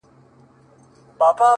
دا هم له تا جار دی اې وطنه زوروره